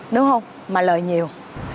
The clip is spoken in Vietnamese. đúng không mà lợi nhiều